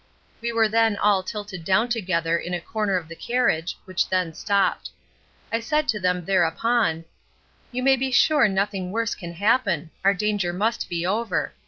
We were then all tilted down together in a corner of the carriage, which then stopped. I said to them thereupon: 'You may be sure nothing worse can happen; our danger must be over.